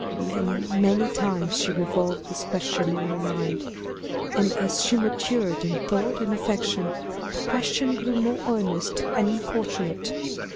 Many, many times she revolved this question in her mind. And as she matured in thought and affection, the question grew more earnest and importunate.